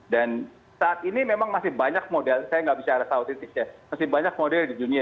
dan saat ini memang masih banyak model saya nggak bisa rasa otisiknya masih banyak model di dunia